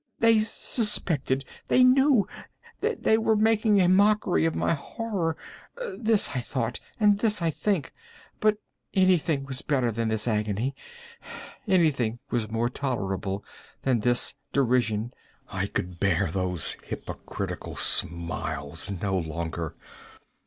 —they suspected!—they knew!—they were making a mockery of my horror!—this I thought, and this I think. But anything was better than this agony! Anything was more tolerable than this derision! I could bear those hypocritical smiles no longer!